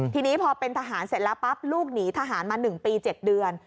ทีนี้พอเป็นทหารเสร็จแล้วปั๊บลูกหนีทหารมา๑ปี๗เดือน